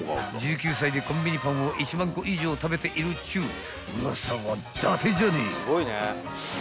［１９歳でコンビニパンを１万個以上食べているっちゅうウワサはだてじゃねえ！］